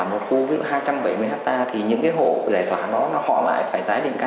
một khu hai trăm bảy mươi hectare thì những cái hộ giải tỏa đó họ lại phải tái định cư